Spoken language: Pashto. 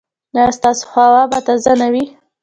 ایا ستاسو هوا به تازه نه وي؟